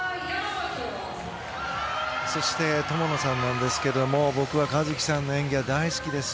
そして、友野さんですが僕は一希さんの演技が大好きです。